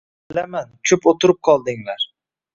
Bilaman ko`p o`tirib qoldinglar